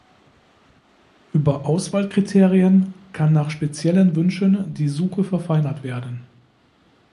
Über Auswahlkriterien kann nach speziellen Wünschen die Suche verfeinert werden.